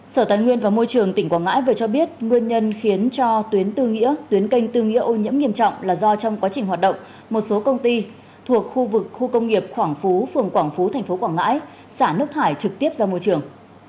sở tài nguyên và môi trường tỉnh quảng ngãi vừa cho biết nguyên nhân khiến cho tuyến tư nghĩa tuyến canh tư nghĩa ô nhiễm nghiêm trọng là do trong quá trình hoạt động một số công ty thuộc khu vực khu công nghiệp quảng phú phường quảng phú tp quảng ngãi xả nước thải trực tiếp ra môi trường